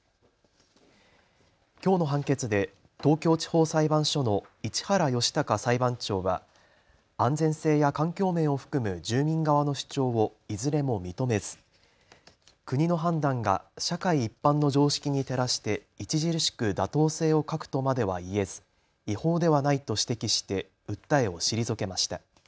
きょうの判決で東京地方裁判所の市原義孝裁判長は安全性や環境面を含む住民側の主張をいずれも認めず国の判断が社会一般の常識に照らして著しく妥当性を欠くとまでは言えず違法ではないと指摘して訴えを退けました。